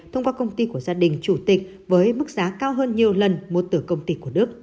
thông qua công ty của gia đình chủ tịch với mức giá cao hơn nhiều lần mua từ công ty của đức